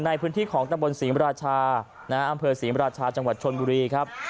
ในพื้นที่ของตะบนศรีมราชาอำเภอศรีมราชาจังหวัดชนบุรีครับ